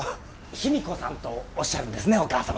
日美子さんとおっしゃるんですねお母様。